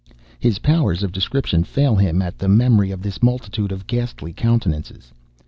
His powers of description fail him at the memory of this multitude of ghastly countenances.